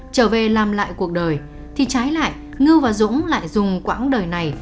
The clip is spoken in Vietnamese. trở về làm lại cuộc đời thì trái lại ngư và dũng lại dùng quãng đời này